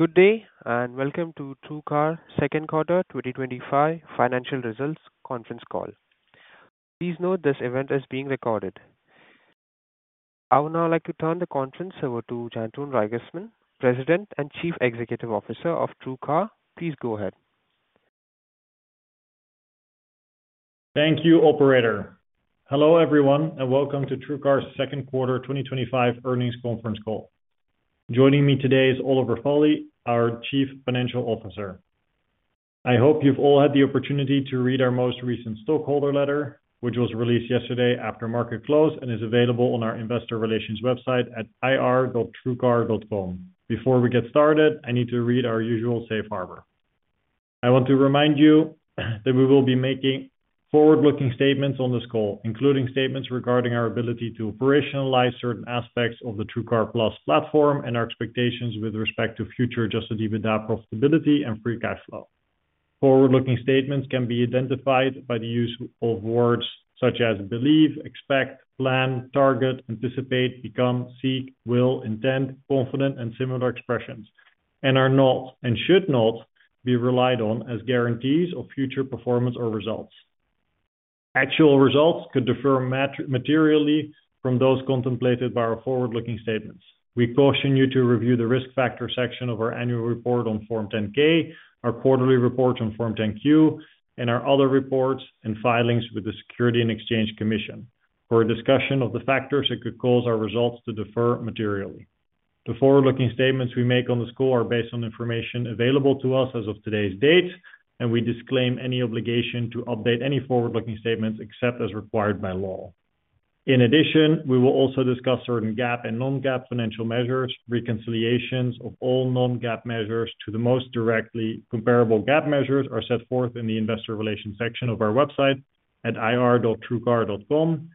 Good day and welcome to TrueCar Second Quarter 2025 Financial Results Conference Call. Please note this event is being recorded. I would now like to turn the conference over to Jantoon Reigersman, President and Chief Executive Officer of TrueCar. Please go ahead. Thank you, Operator. Hello everyone and welcome to TrueCar's Second Quarter 2025 Earnings Conference Call. Joining me today is Oliver Foley, our Chief Financial Officer. I hope you've all had the opportunity to read our most recent stockholder letter, which was released yesterday after market close and is available on our investor relations website at ir.truecar.com. Before we get started, I need to read our usual safe harbor. I want to remind you that we will be making forward-looking statements on this call, including statements regarding our ability to operationalize certain aspects of the TrueCar+ platform and our expectations with respect to future adjusted EBITDA profitability and free cash flow. Forward-looking statements can be identified by the use of words such as believe, expect, plan, target, anticipate, become, seek, will, intend, confident, and similar expressions, and are not, and should not be relied on as guarantees of future performance or results. Actual results could differ materially from those contemplated by our forward-looking statements. We caution you to review the risk factor section of our annual report on Form 10-K, our quarterly report on Form 10-Q, and our other reports and filings with the Securities and Exchange Commission for a discussion of the factors that could cause our results to differ materially. The forward-looking statements we make on this call are based on information available to us as of today's date, and we disclaim any obligation to update any forward-looking statements except as required by law. In addition, we will also discuss certain GAAP and non-GAAP financial measures. Reconciliations of all non-GAAP measures to the most directly comparable GAAP measures are set forth in the investor relations section of our website at ir.truecar.com.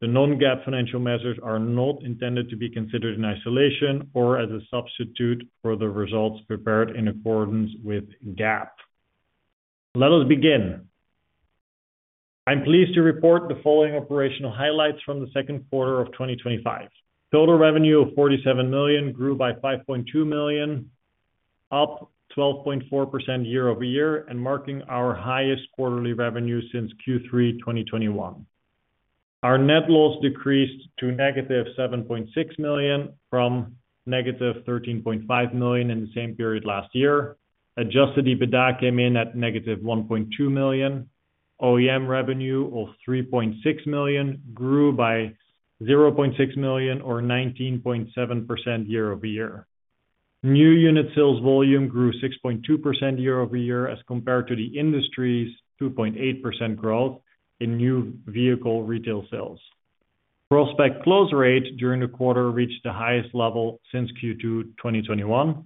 The non-GAAP financial measures are not intended to be considered in isolation or as a substitute for the results prepared in accordance with GAAP. Let us begin. I'm pleased to report the following operational highlights from the second quarter of 2025. Total revenue of $47 million grew by $5.2 million, up 12.4% year-over-year, and marking our highest quarterly revenue since Q3 2021. Our net loss decreased to -$7.6 million from -$13.5 million in the same period last year. Adjusted EBITDA came in at -$1.2 million. OEM revenue of $3.6 million grew by $0.6 million or 19.7% year-over-year. New unit sales volume grew 6.2% year-over-year as compared to the industry's 2.8% growth in new vehicle retail sales. Prospect close rate during the quarter reached the highest level since Q2 2021,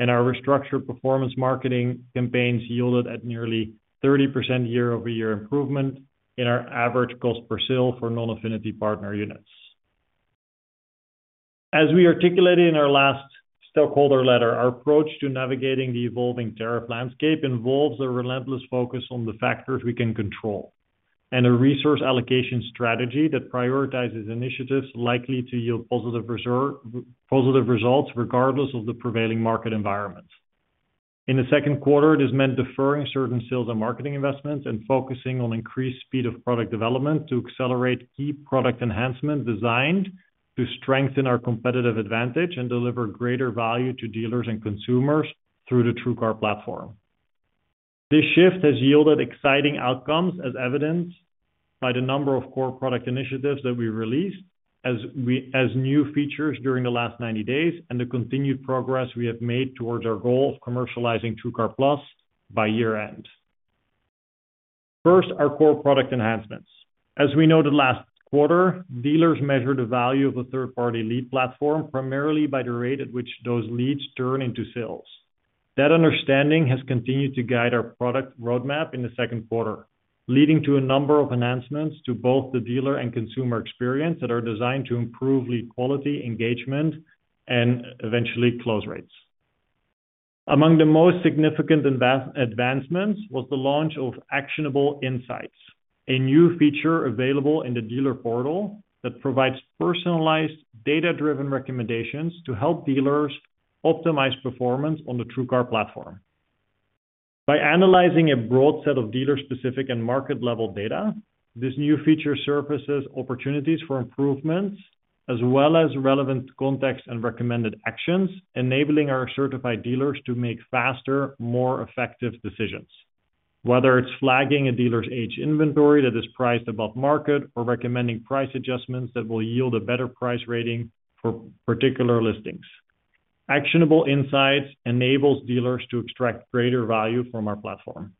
and our restructured performance marketing campaigns yielded a nearly 30% year-over-year improvement in our average cost per sale for non-affinity partner units. As we articulated in our last stockholder letter, our approach to navigating the evolving tariff landscape involves a relentless focus on the factors we can control and a resource allocation strategy that prioritizes initiatives likely to yield positive results regardless of the prevailing market environment. In the second quarter, this meant deferring certain sales and marketing investments and focusing on increased speed of product development to accelerate key product enhancements designed to strengthen our competitive advantage and deliver greater value to dealers and consumers through the TrueCar platform. This shift has yielded exciting outcomes, as evidenced by the number of core product initiatives that we released as new features during the last 90 days, and the continued progress we have made towards our goal of commercializing TrueCar+ by year-end. First, our core product enhancements. As we noted last quarter, dealers measure the value of a third-party lead platform primarily by the rate at which those leads turn into sales. That understanding has continued to guide our product roadmap in the second quarter, leading to a number of enhancements to both the dealer and consumer experience that are designed to improve lead quality, engagement, and eventually close rates. Among the most significant advancements was the launch of Actionable Insights, a new feature available in the TrueCar Dealer Portal that provides personalized, data-driven recommendations to help dealers optimize performance on the TrueCar platform. By analyzing a broad set of dealer-specific and market-level data, this new feature surfaces opportunities for improvements as well as relevant context and recommended actions, enabling our certified dealers to make faster, more effective decisions. Whether it's flagging a dealer's age inventory that is priced above market or recommending price adjustments that will yield a better price rating for particular listings. Actionable Insights enables dealers to extract greater value from our platform.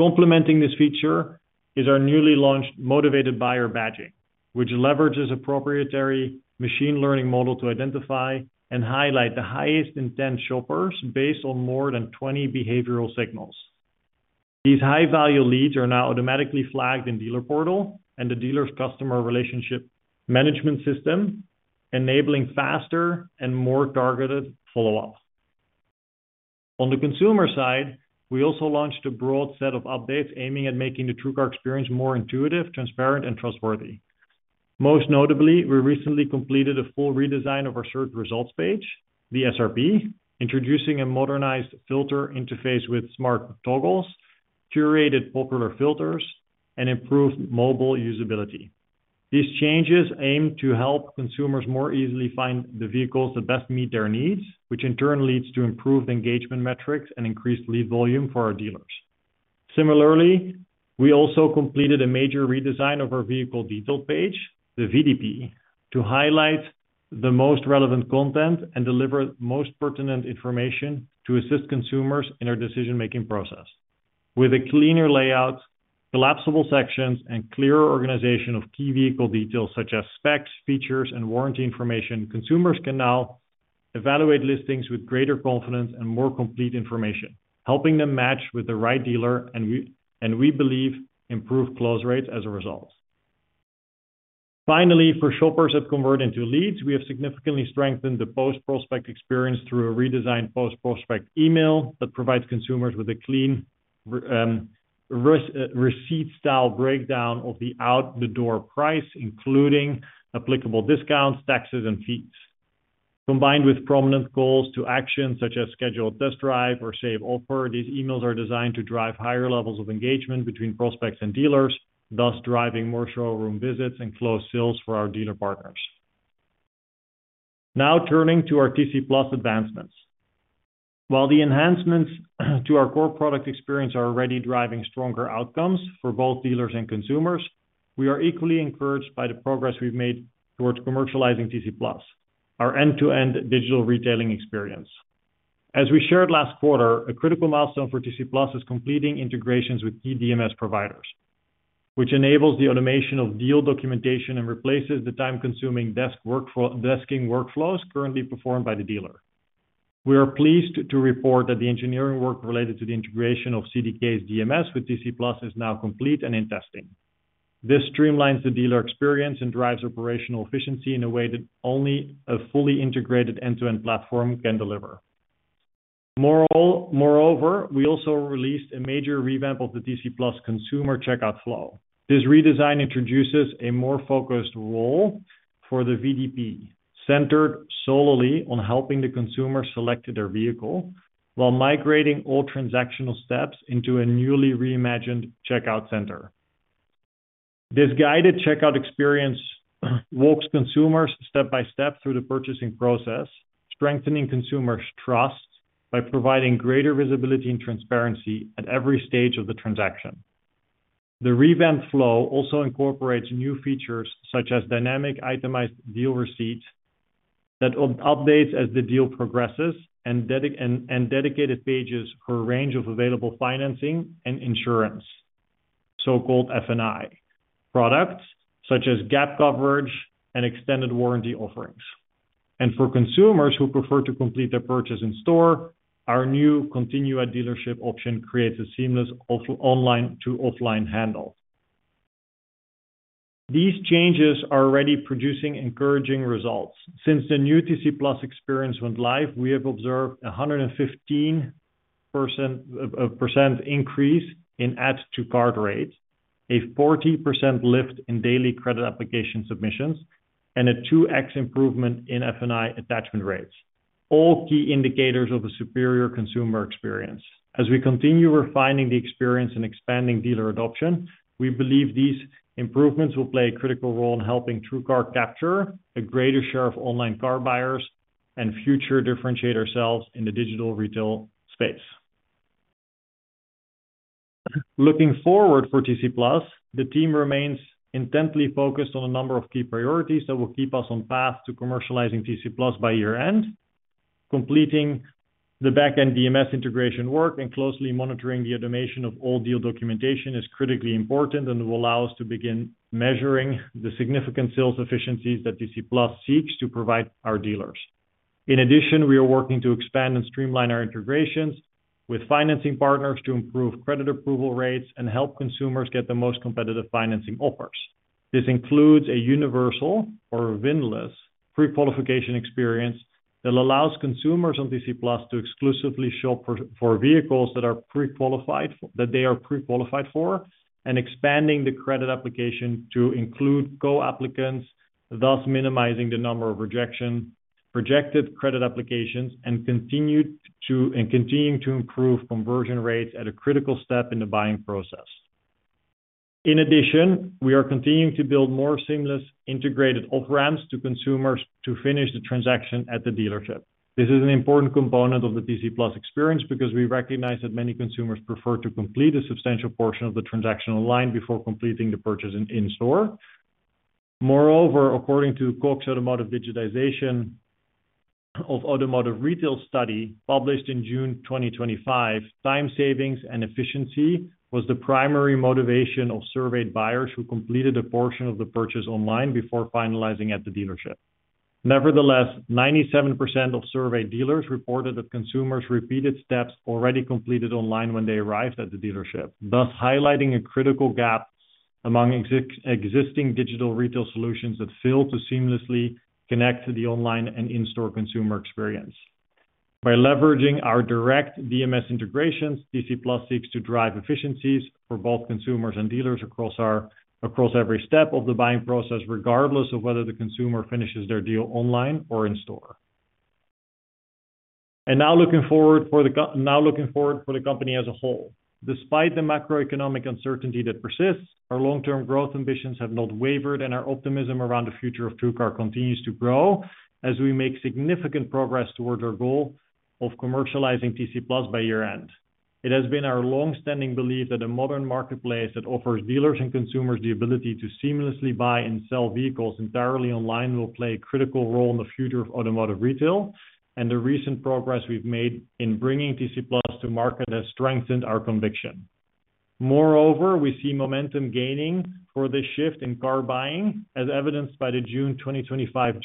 Complementing this feature is our newly launched motivated buyer badging, which leverages a proprietary machine learning model to identify and highlight the highest intent shoppers based on more than 20 behavioral signals. These high-value leads are now automatically flagged in the TrueCar Dealer Portal and the dealer's customer relationship management system, enabling faster and more targeted follow-up. On the consumer side, we also launched a broad set of updates aiming at making the TrueCar experience more intuitive, transparent, and trustworthy. Most notably, we recently completed a full redesign of our TrueCar Search Results Page, the SRP, introducing a modernized filter interface with smart toggles, curated popular filters, and improved mobile usability. These changes aim to help consumers more easily find the vehicles that best meet their needs, which in turn leads to improved engagement metrics and increased lead volume for our dealers. Similarly, we also completed a major redesign of our TrueCar Vehicle Detail Page, the VDP, to highlight the most relevant content and deliver the most pertinent information to assist consumers in their decision-making process. With a cleaner layout, collapsible sections, and clearer organization of key vehicle details such as specs, features, and warranty information, consumers can now evaluate listings with greater confidence and more complete information, helping them match with the right dealer and, we believe, improve close rates as a result. Finally, for shoppers that convert into leads, we have significantly strengthened the post-prospect experience through a redesigned post-prospect email that provides consumers with a clean receipt-style breakdown of the out-the-door price, including applicable discounts, taxes, and fees. Combined with prominent calls to action such as schedule a test drive or save offer, these emails are designed to drive higher levels of engagement between prospects and dealers, thus driving more showroom visits and closed sales for our dealer partners. Now turning to our TC+ advancements. While the enhancements to our core product experience are already driving stronger outcomes for both dealers and consumers, we are equally encouraged by the progress we've made towards commercializing TC+, our end-to-end digital retailing experience. As we shared last quarter, a critical milestone for TC+ is completing integrations with key DMS providers, which enables the automation of deal documentation and replaces the time-consuming desking workflows currently performed by the dealer. We are pleased to report that the engineering work related to the integration of CDK DMS with TC+ is now complete and in testing. This streamlines the dealer experience and drives operational efficiency in a way that only a fully integrated end-to-end platform can deliver. Moreover, we also released a major revamp of the TC+ consumer checkout flow. This redesign introduces a more focused role for the VDP, centered solely on helping the consumer select their vehicle while migrating all transactional steps into a newly reimagined checkout center. This guided checkout experience walks consumers step by step through the purchasing process, strengthening consumers' trust by providing greater visibility and transparency at every stage of the transaction. The revamped flow also incorporates new features such as dynamic itemized deal receipts that update as the deal progresses and dedicated pages for a range of available financing and insurance, so-called F&I, products such as GAP coverage and extended warranty offerings. For consumers who prefer to complete their purchase in-store, our new continue at dealership option creates a seamless online to offline handle. These changes are already producing encouraging results. Since the new TC+ experience went live, we have observed a 115% increase in add-to-cart rates, a 40% lift in daily credit application submissions, and a 2x improvement in F&I product attachment rates, all key indicators of a superior consumer experience. As we continue refining the experience and expanding dealer adoption, we believe these improvements will play a critical role in helping TrueCar capture a greater share of online car buyers and future differentiator sales in the digital retail space. Looking forward for TC+, the team remains intently focused on a number of key priorities that will keep us on path to commercializing TC+ by year-end. Completing the backend DMS integration work and closely monitoring the automation of all deal documentation is critically important and will allow us to begin measuring the significant sales efficiencies that TC+ seeks to provide our dealers. In addition, we are working to expand and streamline our integrations with financing partners to improve credit approval rates and help consumers get the most competitive financing offers. This includes a universal or VIN-less pre-qualification experience that allows consumers on TC+ to exclusively shop for vehicles that they are pre-qualified for and expanding the credit application to include co-applicants, thus minimizing the number of rejected credit applications and continuing to improve conversion rates at a critical step in the buying process. In addition, we are continuing to build more seamless integrated off-ramps to consumers to finish the transaction at the dealership. This is an important component of the TC+ experience because we recognize that many consumers prefer to complete a substantial portion of the transaction online before completing the purchase in-store. Moreover, according to the Cox Automotive digitization of automotive retail study published in June 2025, time savings and efficiency were the primary motivation of surveyed buyers who completed a portion of the purchase online before finalizing at the dealership. Nevertheless, 97% of surveyed dealers reported that consumers repeated steps already completed online when they arrived at the dealership, thus highlighting a critical gap among existing digital retail solutions that fail to seamlessly connect the online and in-store consumer experience. By leveraging our direct DMS integrations, TC+ seeks to drive efficiencies for both consumers and dealers across every step of the buying process, regardless of whether the consumer finishes their deal online or in-store. Now looking forward for the company as a whole. Despite the macroeconomic uncertainty that persists, our long-term growth ambitions have not wavered, and our optimism around the future of TrueCar continues to grow as we make significant progress towards our goal of commercializing TC+ by year-end. It has been our longstanding belief that a modern marketplace that offers dealers and consumers the ability to seamlessly buy and sell vehicles entirely online will play a critical role in the future of automotive retail, and the recent progress we've made in bringing TC+ to market has strengthened our conviction. Moreover, we see momentum gaining for this shift in car buying, as evidenced by the June 2025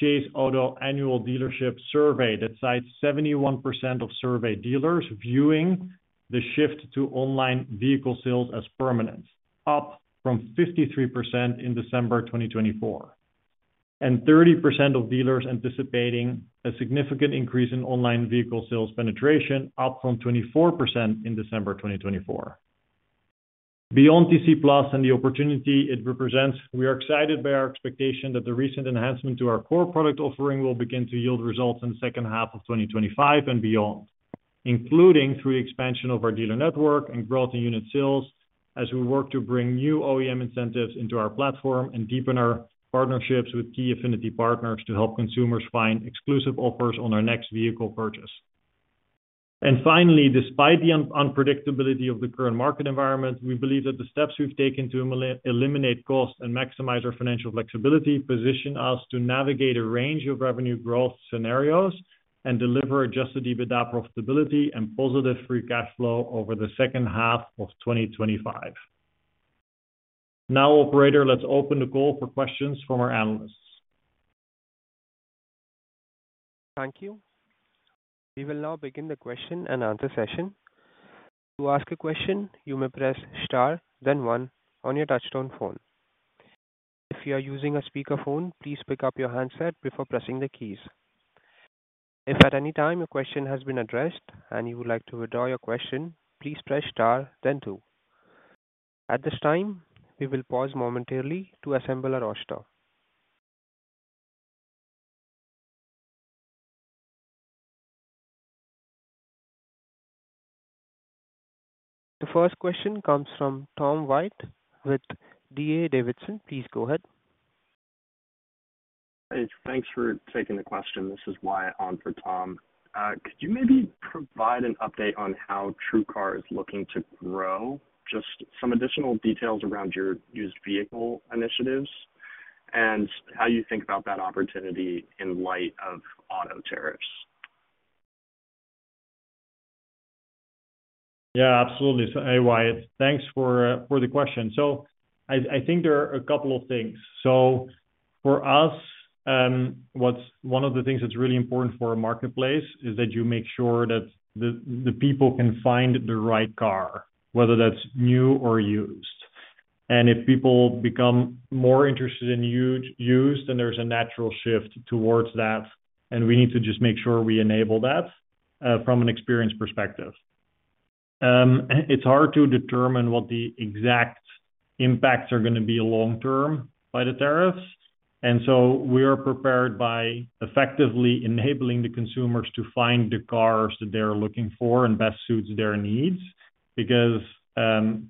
JPMorgan Auto Annual Dealership Survey that cites 71% of surveyed dealers viewing the shift to online vehicle sales as permanent, up from 53% in December 2024, and 30% of dealers anticipating a significant increase in online vehicle sales penetration, up from 24% in December 2024. Beyond TC+ and the opportunity it represents, we are excited by our expectation that the recent enhancement to our core product offering will begin to yield results in the second half of 2025 and beyond, including through the expansion of our dealer network and growth in unit sales as we work to bring new OEM incentives into our platform and deepen our partnerships with key affinity partners to help consumers find exclusive offers on their next vehicle purchase. Finally, despite the unpredictability of the current market environment, we believe that the steps we've taken to eliminate cost and maximize our financial flexibility position us to navigate a range of revenue growth scenarios and deliver adjusted EBITDA profitability and positive free cash flow over the second half of 2025. Now, Operator, let's open the call for questions from our analysts. Thank you. We will now begin the question-and-answer session. To ask a question, you may press Star, then one on your touch-tone phone. If you are using a speakerphone, please pick up your handset before pressing the keys. If at any time your question has been addressed and you would like to withdraw your question, please press Star, then two. At this time, we will pause momentarily to assemble our roster. The first question comes from Tom White with D.A. Davidson. Please go ahead. Thanks for taking the question. This is Wyatt on for Tom. Could you maybe provide an update on how TrueCar is looking to grow, just some additional details around your used vehicle initiatives and how you think about that opportunity in light of auto tariffs? Yeah, absolutely. Hey, Wyatt, thanks for the question. I think there are a couple of things. For us, one of the things that's really important for a marketplace is that you make sure that people can find the right car, whether that's new or used. If people become more interested in used, then there's a natural shift towards that, and we need to just make sure we enable that from an experience perspective. It's hard to determine what the exact impacts are going to be long-term by the tariffs, and we are prepared by effectively enabling the consumers to find the cars that they're looking for and best suit their needs because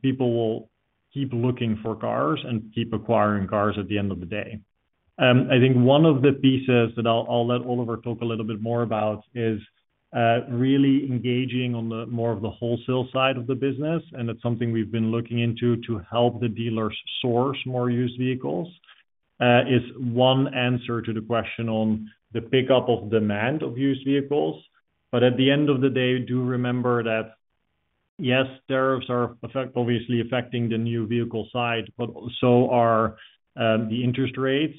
people will keep looking for cars and keep acquiring cars at the end of the day. I think one of the pieces that I'll let Oliver talk a little bit more about is really engaging on more of the wholesale side of the business, and that's something we've been looking into to help the dealers source more used vehicles. It's one answer to the question on the pickup of demand of used vehicles, but at the end of the day, yes, tariffs are obviously affecting the new vehicle side, but so are the interest rates.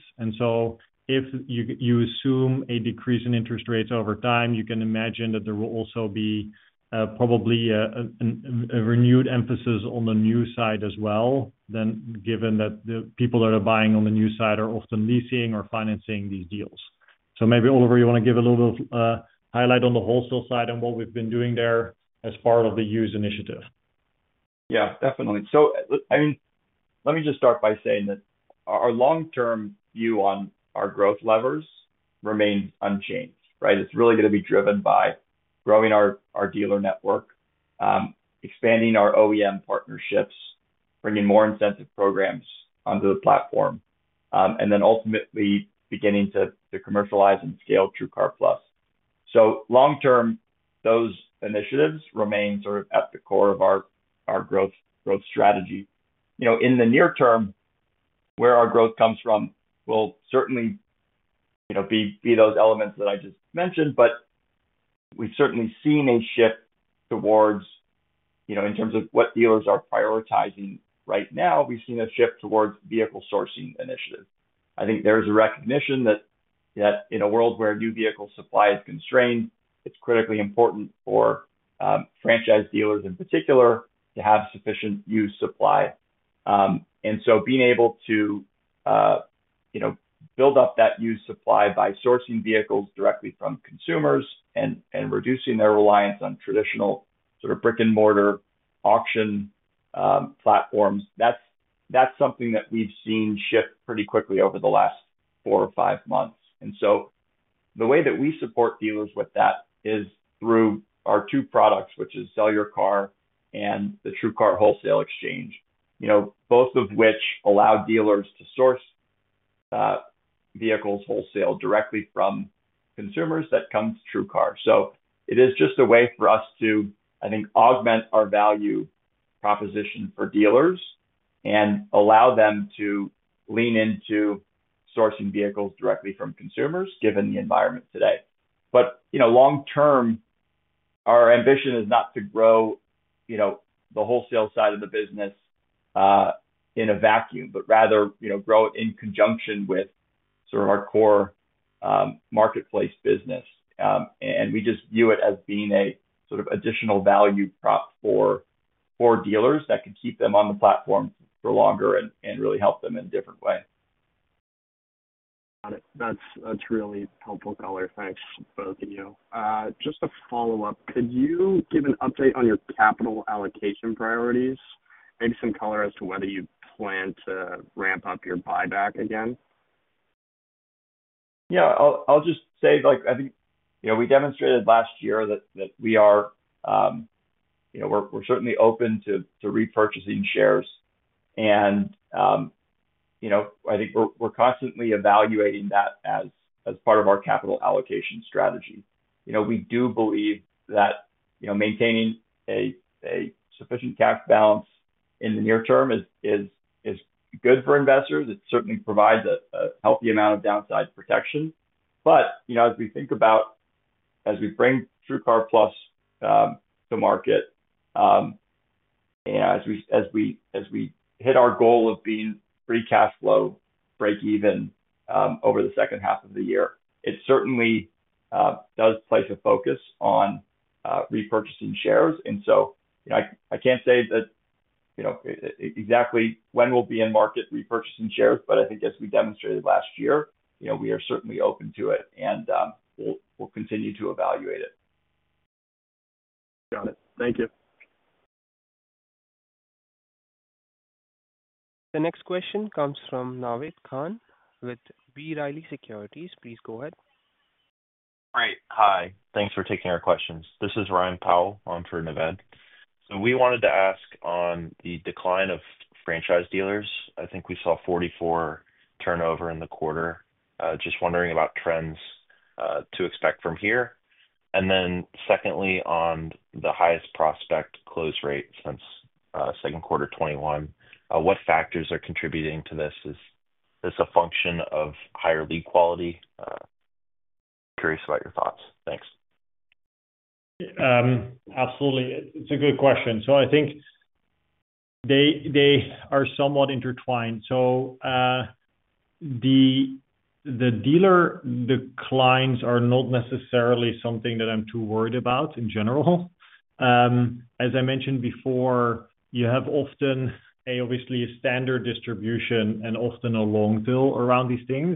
If you assume a decrease in interest rates over time, you can imagine that there will also be probably a renewed emphasis on the new side as well, given that the people that are buying on the new side are often leasing or financing these deals. Maybe, Oliver, you want to give a little highlight on the wholesale side and what we've been doing there as part of the used initiative? Yeah, definitely. Let me just start by saying that our long-term view on our growth levers remains unchanged. It's really going to be driven by growing our dealer network, expanding our OEM partnerships, bringing more incentive programs onto the platform, and ultimately beginning to commercialize and scale TrueCar+. Long-term, those initiatives remain at the core of our growth strategy. In the near term, where our growth comes from will certainly be those elements that I just mentioned, but we've certainly seen a shift towards, in terms of what dealers are prioritizing right now, we've seen a shift towards vehicle sourcing initiatives. I think there's a recognition that in a world where new vehicle supply is constrained, it's critically important for franchise dealers in particular to have sufficient used supply. Being able to build up that used supply by sourcing vehicles directly from consumers and reducing their reliance on traditional brick-and-mortar auction platforms is something that we've seen shift pretty quickly over the last four or five months. The way that we support dealers with that is through our two products, which are Sell Your Car and the TrueCar Wholesale Exchange, both of which allow dealers to source vehicles wholesale directly from consumers that come to TrueCar. It is just a way for us to augment our value proposition for dealers and allow them to lean into sourcing vehicles directly from consumers, given the environment today. Long-term, our ambition is not to grow the wholesale side of the business in a vacuum, but rather grow it in conjunction with our core marketplace business. We just view it as being an additional value prop for dealers that can keep them on the platform for longer and really help them in a different way. That's really helpful, Oliver. Thanks, both of you. Just a follow-up. Could you give an update on your capital allocation priorities, maybe some color as to whether you plan to ramp up your buyback again? I think we demonstrated last year that we are certainly open to repurchasing shares. I think we're constantly evaluating that as part of our capital allocation strategy. We do believe that maintaining a sufficient cash balance in the near term is good for investors. It certainly provides a healthy amount of downside protection. As we bring TrueCar+ to market and as we hit our goal of being free cash flow break-even over the second half of the year, it certainly does place a focus on repurchasing shares. I can't say exactly when we'll be in market repurchasing shares, but I think as we demonstrated last year, we are certainly open to it and we'll continue to evaluate it. Got it. Thank you. The next question comes from Naved Khan with B. Riley Securities. Please go ahead. Great. Hi. Thanks for taking our questions. This is Ryan Powell on for Naved. We wanted to ask on the decline of franchise dealers. I think we saw 44 turnover in the quarter. Just wondering about trends to expect from here. Secondly, on the highest prospect close rate since second quarter 2021, what factors are contributing to this? Is this a function of higher lead quality? Curious about your thoughts. Thanks. Absolutely. It's a good question. I think they are somewhat intertwined. The dealer declines are not necessarily something that I'm too worried about in general. As I mentioned before, you have often a, obviously, a standard distribution and often a long tail around these things.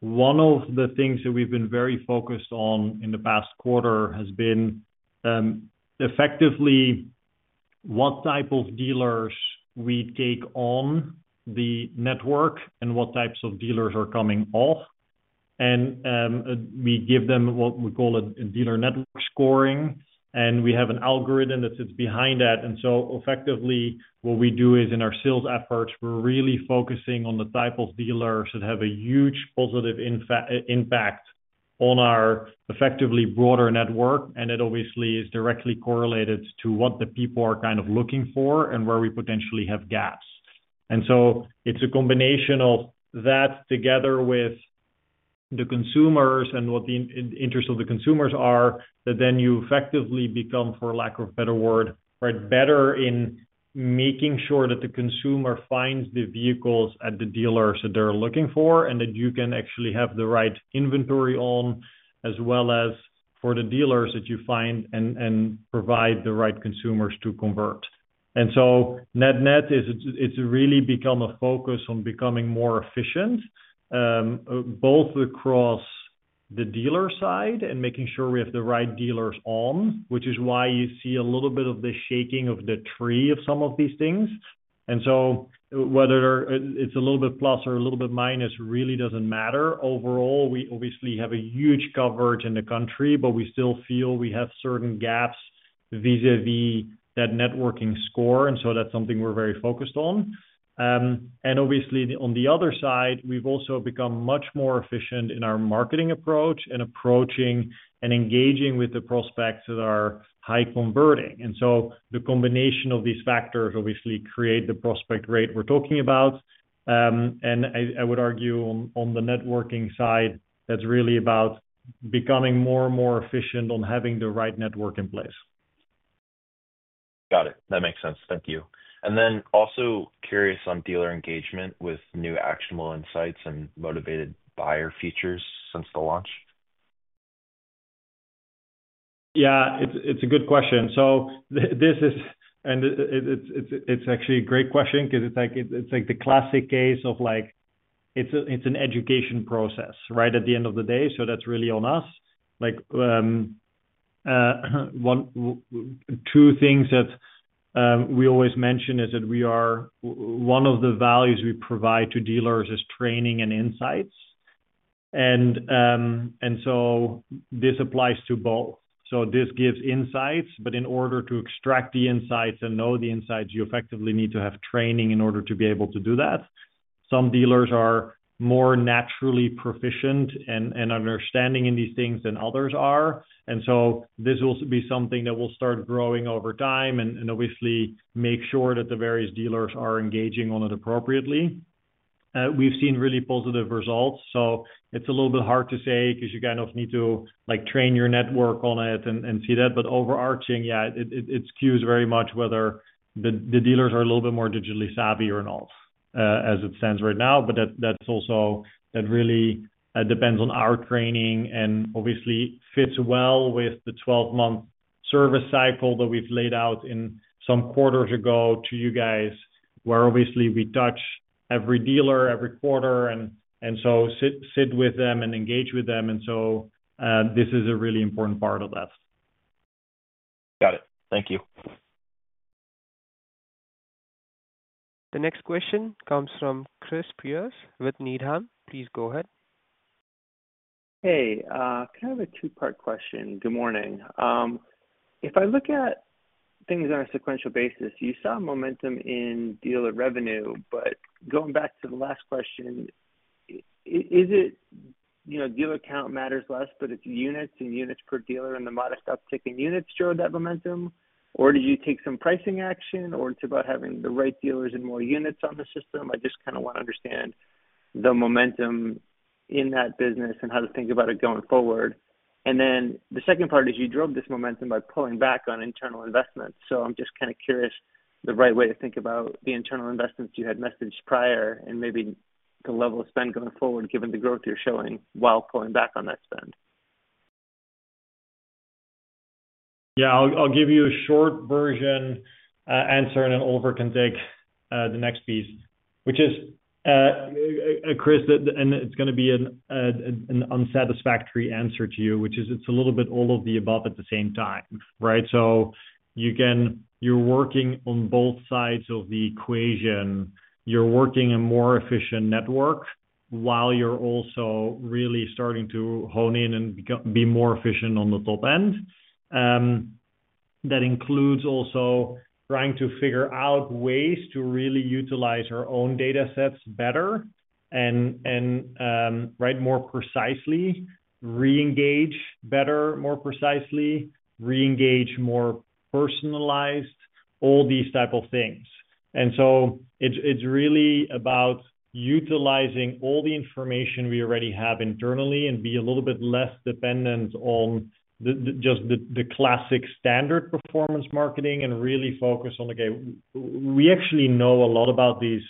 One of the things that we've been very focused on in the past quarter has been effectively what type of dealers we take on the network and what types of dealers are coming off. We give them what we call a dealer network scoring, and we have an algorithm that sits behind that. Effectively, what we do is in our sales efforts, we're really focusing on the type of dealers that have a huge positive impact on our effectively broader network. It obviously is directly correlated to what the people are kind of looking for and where we potentially have gaps. It's a combination of that together with the consumers and what the interests of the consumers are that then you effectively become, for lack of a better word, better in making sure that the consumer finds the vehicles at the dealers that they're looking for and that you can actually have the right inventory on, as well as for the dealers that you find and provide the right consumers to convert. Net-net is, it's really become a focus on becoming more efficient, both across the dealer side and making sure we have the right dealers on, which is why you see a little bit of the shaking of the tree of some of these things. Whether it's a little bit plus or a little bit minus really doesn't matter. Overall, we obviously have a huge coverage in the country, but we still feel we have certain gaps vis-à-vis that networking score. That's something we're very focused on. Obviously, on the other side, we've also become much more efficient in our marketing approach and approaching and engaging with the prospects that are high converting. The combination of these factors obviously creates the prospect rate we're talking about. I would argue on the networking side, that's really about becoming more and more efficient on having the right network in place. Got it. That makes sense. Thank you. Also curious on dealer engagement with new Actionable Insights and Motivated Buyer Badging features since the launch. Yeah, it's a good question. This is, and it's actually a great question because it's like the classic case of, it's an education process, right? At the end of the day, that's really on us. Two things that we always mention are that we are, one of the values we provide to dealers is training and insights. This applies to both. This gives insights, but in order to extract the insights and know the insights, you effectively need to have training in order to be able to do that. Some dealers are more naturally proficient and understanding in these things than others are. This will be something that will start growing over time and obviously make sure that the various dealers are engaging on it appropriately. We've seen really positive results. It's a little bit hard to say because you kind of need to train your network on it and see that. Overarching, yeah, it skews very much whether the dealers are a little bit more digitally savvy or not, as it stands right now. That really depends on our training and obviously fits well with the 12-month service cycle that we've laid out in some quarters ago to you guys, where we touch every dealer every quarter and sit with them and engage with them. This is a really important part of that. Got it. Thank you. The next question comes from Chris Pierce with Needham. Please go ahead. Hey, I have a two-part question. Good morning. If I look at things on a sequential basis, you saw momentum in dealer revenue. Going back to the last question, is it, you know, dealer count matters less, but it's units and units per dealer, and the modest uptick in units showed that momentum, or did you take some pricing action, or it's about having the right dealers and more units on the system? I just kind of want to understand the momentum in that business and how to think about it going forward. The second part is you drove this momentum by pulling back on internal investments. I'm just kind of curious the right way to think about the internal investments you had messaged prior and maybe the level of spend going forward, given the growth you're showing while pulling back on that spend. Yeah, I'll give you a short version answer and then Oliver can take the next piece, which is, Chris, and it's going to be an unsatisfactory answer to you, which is it's a little bit all of the above at the same time, right? You can, you're working on both sides of the equation. You're working a more efficient network while you're also really starting to hone in and be more efficient on the top end. That includes also trying to figure out ways to really utilize our own data sets better and more precisely, re-engage better, more precisely, re-engage more personalized, all these types of things. It's really about utilizing all the information we already have internally and being a little bit less dependent on just the classic standard performance marketing and really focus on, okay, we actually know a lot about these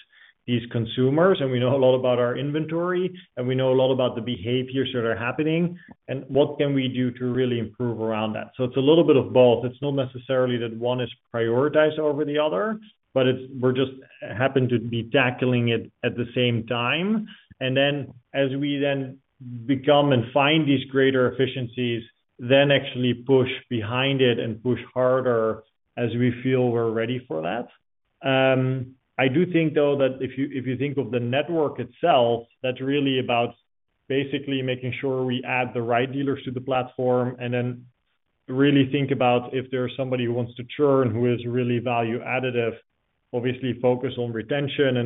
consumers and we know a lot about our inventory and we know a lot about the behaviors that are happening and what can we do to really improve around that. It's a little bit of both. It's not necessarily that one is prioritized over the other, but we just happen to be tackling it at the same time. As we then become and find these greater efficiencies, then actually push behind it and push harder as we feel we're ready for that. I do think, though, that if you think of the network itself, that's really about basically making sure we add the right dealers to the platform and then really think about if there's somebody who wants to churn who is really value additive, obviously focus on retention.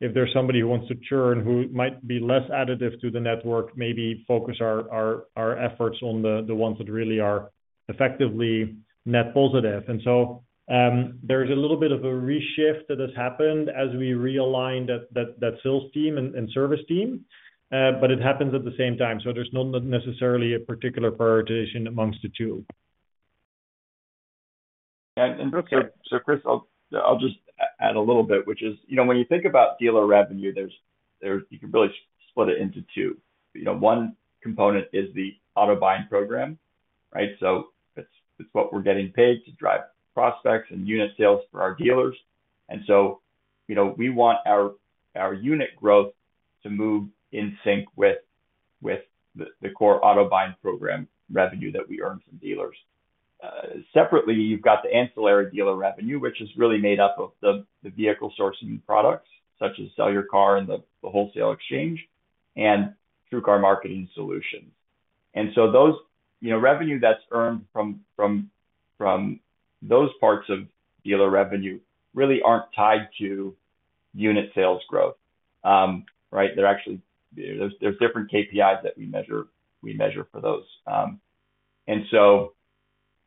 If there's somebody who wants to churn who might be less additive to the network, maybe focus our efforts on the ones that really are effectively net positive. There's a little bit of a reshift that has happened as we realign that sales team and service team, but it happens at the same time. There's not necessarily a particular prioritization amongst the two. Chris, I'll just add a little bit, which is, you know, when you think about dealer revenue, you can really split it into two. One component is the auto buying program, right? It's what we're getting paid to drive prospects and unit sales for our dealers. We want our unit growth to move in sync with the core auto buying program revenue that we earn from dealers. Separately, you've got the ancillary dealer revenue, which is really made up of the vehicle sourcing products such as Sell Your Car, the TrueCar Wholesale Exchange, and TrueCar Marketing Solutions. Revenue that's earned from those parts of dealer revenue really isn't tied to unit sales growth. There are different KPIs that we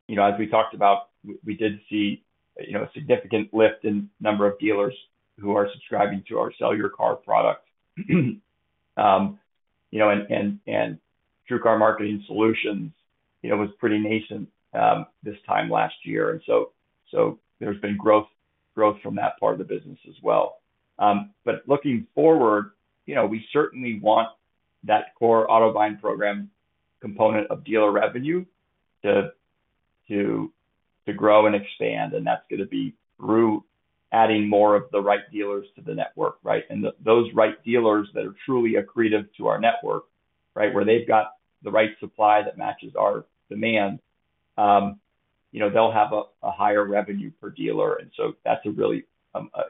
measure for those. As we talked about, we did see a significant lift in the number of dealers who are subscribing to our Sell Your Car products. TrueCar Marketing Solutions was pretty nascent this time last year, so there's been growth from that part of the business as well. Looking forward, we certainly want that core auto buying program component of dealer revenue to grow and expand. That's going to be through adding more of the right dealers to the network. Those right dealers that are truly accretive to our network, where they've got the right supply that matches our demand, will have a higher revenue per dealer. That's,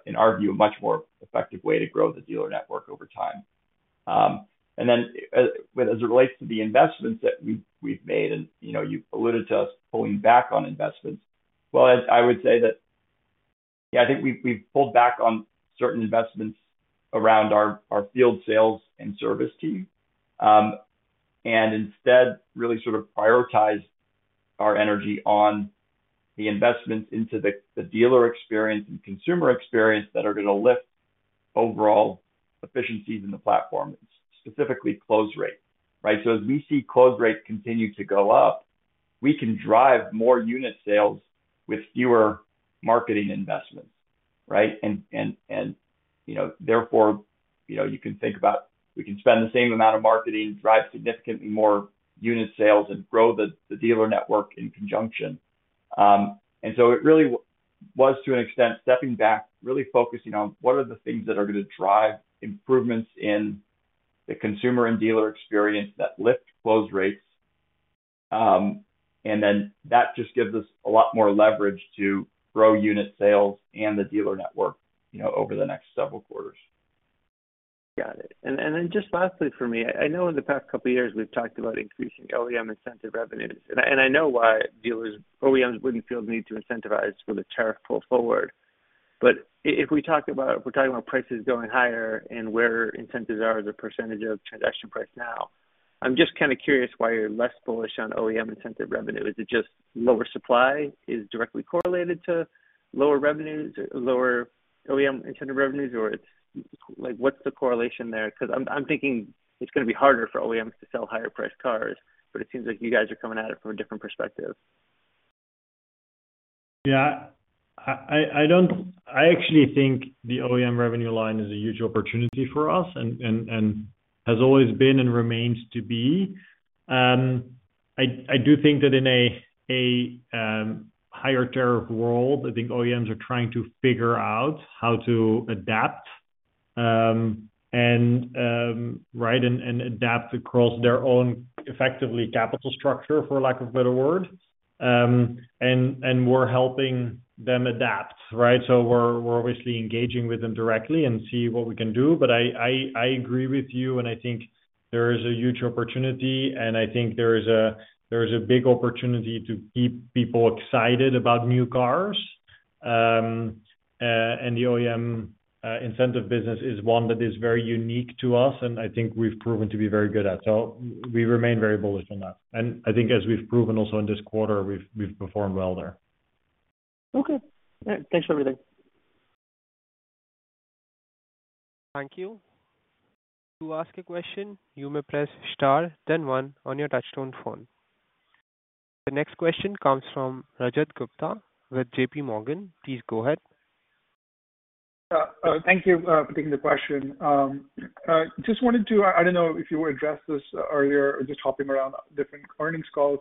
in our view, a much more effective way to grow the dealer network over time. As it relates to the investments that we've made, and you alluded to us pulling back on investments, I would say that, yeah, I think we've pulled back on certain investments around our field sales and service team and instead really prioritized our energy on the investment into the dealer experience and consumer experience that are going to lift overall efficiencies in the platform, specifically close rate. As we see close rate continue to go up, we can drive more unit sales with fewer marketing investments. Therefore, you can think about spending the same amount on marketing, driving significantly more unit sales, and growing the dealer network in conjunction. It really was, to an extent, stepping back, really focusing on what are the things that are going to drive improvements in the consumer and dealer experience that lift close rates. That just gives us a lot more leverage to grow unit sales and the dealer network over the next several quarters. Got it. Lastly for me, I know in the past couple of years we've talked about increasing OEM incentive revenue. I know why dealers, OEMs wouldn't feel the need to incentivize when the tariffs pull forward. If we talk about prices going higher and where incentives are as a % of transaction price now, I'm just kind of curious why you're less bullish on OEM incentive revenue. Is it just lower supply is directly correlated to lower revenues, lower OEM incentive revenues, or what's the correlation there? I'm thinking it's going to be harder for OEMs to sell higher priced cars, but it seems like you guys are coming at it from a different perspective. I actually think the OEM revenue line is a huge opportunity for us and has always been and remains to be. I do think that in a higher tariff world, OEMs are trying to figure out how to adapt and adapt across their own, effectively, capital structure, for lack of a better word. We're helping them adapt, right? We're obviously engaging with them directly and see what we can do. I agree with you, and I think there is a huge opportunity, and I think there is a big opportunity to keep people excited about new cars. The OEM incentive business is one that is very unique to us, and I think we've proven to be very good at it. We remain very bullish on that. I think as we've proven also in this quarter, we've performed well there. Okay, thanks for everything. Thank you. To ask a question, you may press Star, then one on your touch-tone phone. The next question comes from Rajat Gupta with JPMorgan. Please go ahead. Thank you for taking the question. I just wanted to ask if you addressed this earlier, just hopping around different earnings calls.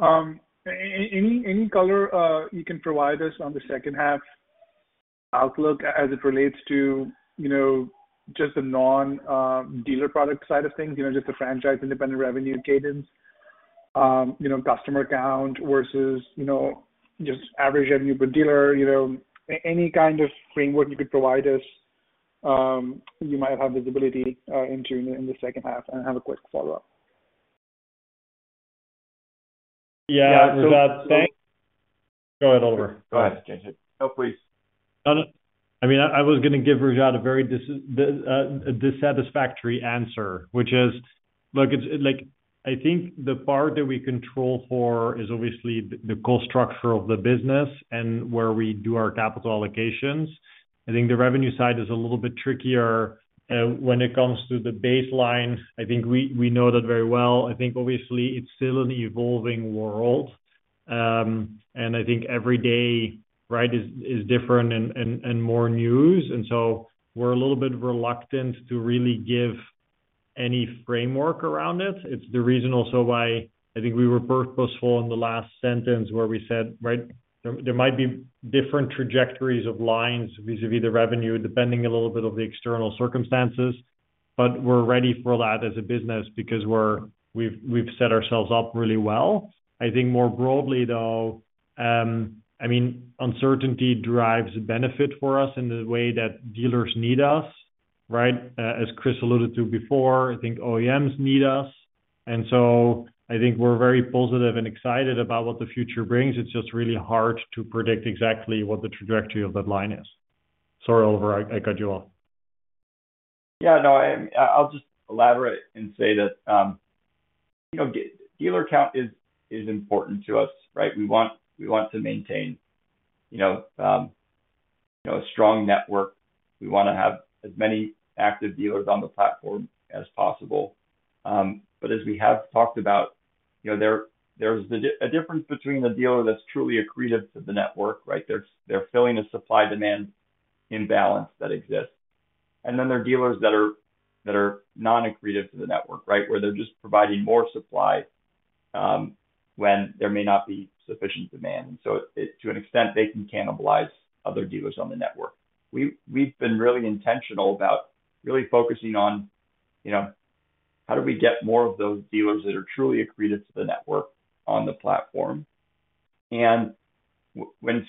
Any color you can provide us on the second half outlook as it relates to the non-dealer product side of things, the franchise independent revenue cadence, customer count versus average revenue per dealer, any kind of framework you could provide us, you might have had visibility into in the second half, and I have a quick follow-up. Yeah, Rajat, thanks. Go ahead, Oliver. No, please. I was going to give Rajat a very dissatisfactory answer, which is, look, I think the part that we control for is obviously the core structure of the business and where we do our capital allocations. I think the revenue side is a little bit trickier when it comes to the baseline. I think we know that very well. Obviously, it's still an evolving world. Every day is different and more news, so we're a little bit reluctant to really give any framework around it. It's the reason also why I think we were purposeful in the last sentence where we said there might be different trajectories of lines vis-à-vis the revenue depending a little bit on the external circumstances. We're ready for that as a business because we've set ourselves up really well. More broadly, though, uncertainty drives benefit for us in the way that dealers need us. As Chris alluded to before, I think OEMs need us. We're very positive and excited about what the future brings. It's just really hard to predict exactly what the trajectory of that line is. Sorry, Oliver, I cut you off. Yeah, no, I'll just elaborate and say that dealer count is important to us, right? We want to maintain a strong network. We want to have as many active dealers on the platform as possible. As we have talked about, there's a difference between a dealer that's truly accretive to the network, right? They're filling a supply-demand imbalance that exists. Then there are dealers that are non-accretive to the network, right, where they're just providing more supply when there may not be sufficient demand. To an extent, they can cannibalize other dealers on the network. We've been really intentional about really focusing on how do we get more of those dealers that are truly accretive to the network on the platform? When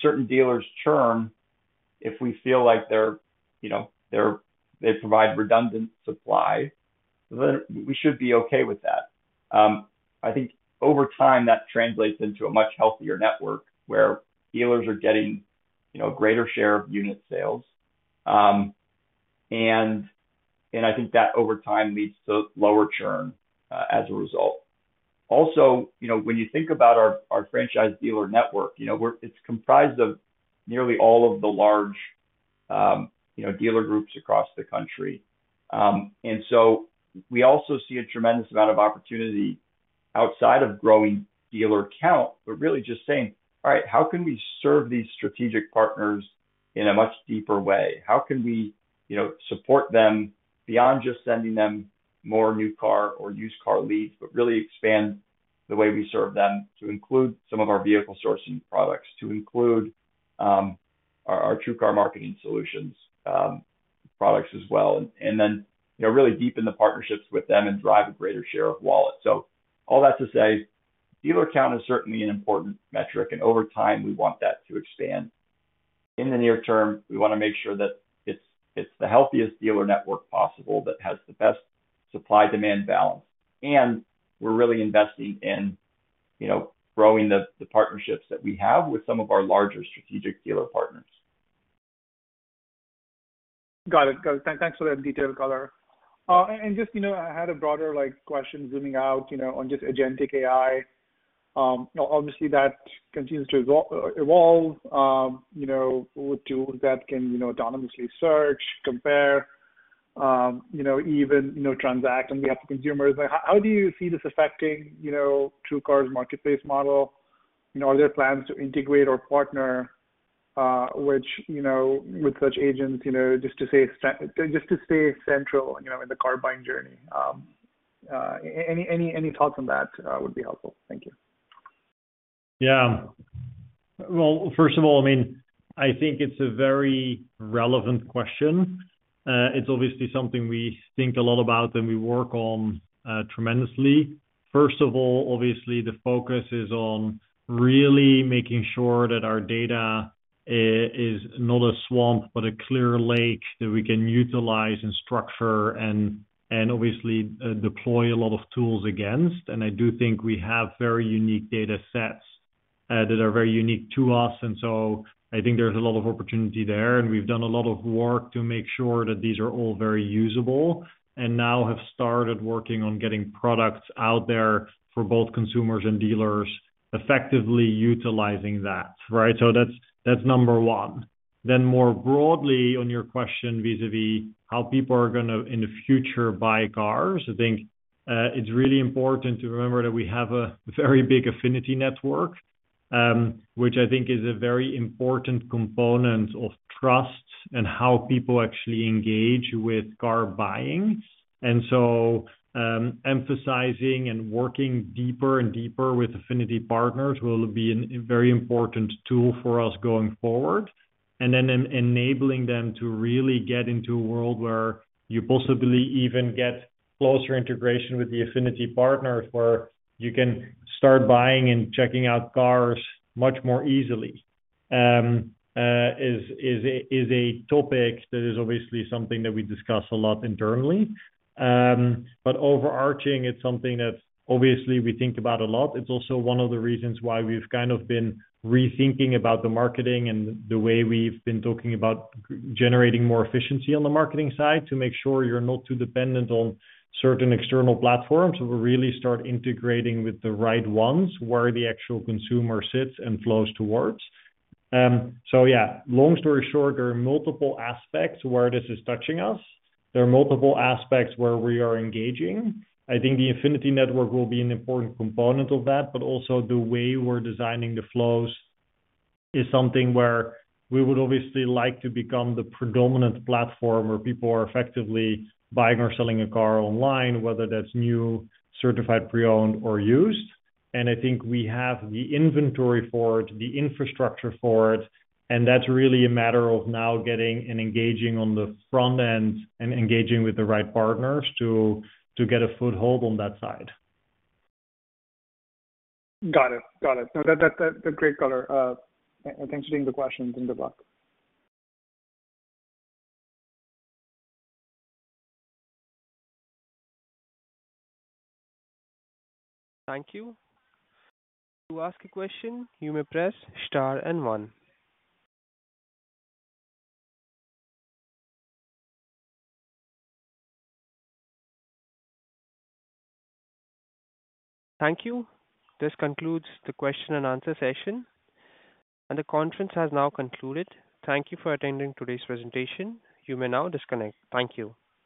certain dealers churn, if we feel like they provide redundant supply, then we should be okay with that. I think over time, that translates into a much healthier network where dealers are getting a greater share of unit sales. I think that over time leads to lower churn as a result. Also, when you think about our franchise dealer network, it's comprised of nearly all of the large dealer groups across the country. We also see a tremendous amount of opportunity outside of growing dealer count, but really just saying, all right, how can we serve these strategic partners in a much deeper way? How can we support them beyond just sending them more new car or used car leads, but really expand the way we serve them to include some of our vehicle sourcing products, to include our TrueCar Marketing Solutions products as well, and then really deepen the partnerships with them and drive a greater share of wallets. All that to say is dealer count is certainly an important metric, and over time, we want that to expand. In the near term, we want to make sure that it's the healthiest dealer network possible that has the best supply-demand balance. We're really investing in growing the partnerships that we have with some of our larger strategic dealer partners. Got it. Thanks for that detail, color. I had a broader question zooming out on just Agentic AI. Obviously, that continues to evolve with tools that can autonomously search, compare, even transact on behalf of consumers. How do you see this affecting TrueCar's marketplace model? Are there plans to integrate or partner with such agents to stay central in the car buying journey? Any thoughts on that would be helpful. Thank you. Yeah. First of all, I think it's a very relevant question. It's obviously something we think a lot about and we work on tremendously. First of all, the focus is on really making sure that our data is not a swamp, but a clear lake that we can utilize and structure and deploy a lot of tools against. I do think we have very unique data sets that are very unique to us. I think there's a lot of opportunity there. We've done a lot of work to make sure that these are all very usable and now have started working on getting products out there for both consumers and dealers, effectively utilizing that, right? That's number one. More broadly on your question vis-à-vis how people are going to, in the future, buy cars, I think it's really important to remember that we have a very big affinity network, which I think is a very important component of trust and how people actually engage with car buying. Emphasizing and working deeper and deeper with affinity partners will be a very important tool for us going forward. Enabling them to really get into a world where you possibly even get closer integration with the affinity partners, where you can start buying and checking out cars much more easily, is a topic that is obviously something that we discuss a lot internally. Overarching, it's something that we think about a lot. It's also one of the reasons why we've kind of been rethinking about the marketing and the way we've been talking about generating more efficiency on the marketing side to make sure you're not too dependent on certain external platforms. We really start integrating with the right ones where the actual consumer sits and flows towards. Long story short, there are multiple aspects where this is touching us. There are multiple aspects where we are engaging. I think the affinity network will be an important component of that, but also the way we're designing the flows is something where we would like to become the predominant platform where people are effectively buying or selling a car online, whether that's new, certified, pre-owned, or used. I think we have the inventory for it, the infrastructure for it, and that's really a matter of now getting and engaging on the front end and engaging with the right partners to get a foothold on that side. Got it. That's great color. Thanks for taking the question and the talk. Thank you. To ask a question, you may press Star and one. Thank you. This concludes the question-and-answer session, and the conference has now concluded. Thank you for attending today's presentation. You may now disconnect. Thank you.